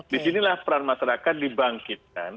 disinilah peran masyarakat dibangkitkan